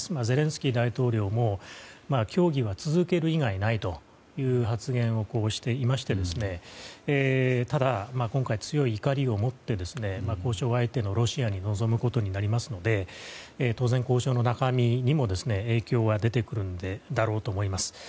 ゼレンスキー大統領も協議を続ける以外ないという発言をしていましてただ、今回、強い怒りをもって交渉相手のロシアに臨むことになりますので当然、交渉の中身にも影響は出てくるだろうと思います。